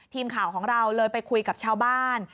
ทีมข่าวของเราเลยไปคุยกับชาวบ้าน